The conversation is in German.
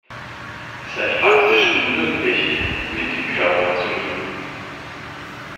Es sei „faktisch unmöglich, mit dem Körper zu lügen“.